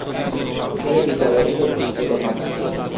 তিনি বিদ্যালয় থেকে বহিষ্কৃত হন।